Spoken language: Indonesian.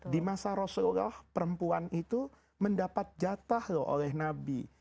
di masa rasulullah perempuan itu mendapat jatah loh oleh nabi